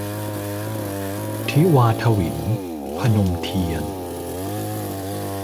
ทิวาถวิล - พนมเทียน